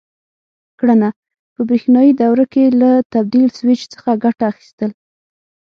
کړنه: په برېښنایي دوره کې له تبدیل سویچ څخه ګټه اخیستل: